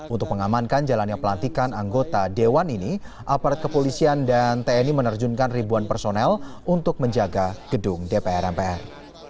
untuk mengamankan jalannya pelantikan anggota dewan ini aparat kepolisian dan tni menerjunkan ribuan personel untuk menjaga gedung dpr mpr